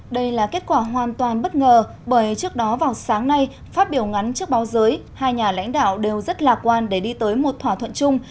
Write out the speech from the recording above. đây là kết quả hoàn toàn bất ngờ bởi trước đó vào sáng nay phát biểu ngắn trước báo giới hai nhà lãnh đạo đều rất lạc quan để đi tới một thỏa thuận chung